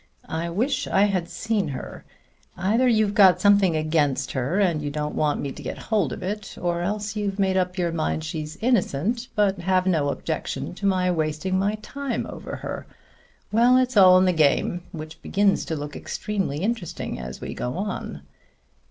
I wish I had seen her. Either you've got something against her and you don't want me to get hold of it; or else you've made up your mind she's innocent, but have no objection to my wasting my time over her. Well, it's all in the game; which begins to look extremely interesting as we go on."